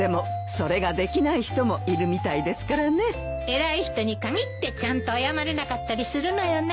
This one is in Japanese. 偉い人にかぎってちゃんと謝れなかったりするのよね。